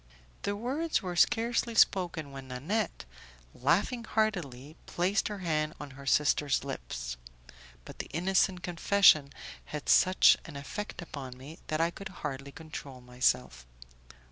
The words were scarcely spoken when Nanette, laughing heartily, placed her hand on her sister's lips, but the innocent confession had such an effect upon me that I could hardly control myself.